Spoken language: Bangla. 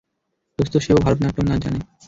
দোস্ত সেও ভারতনাট্যম নাচ জানে।